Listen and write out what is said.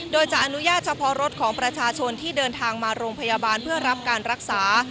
โดยจะอนุญาตเฉพาะรถของประชาชนที่เดินทางมาโรงพยาบาลเพื่อรับการรักษา